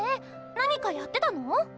何かやってたの？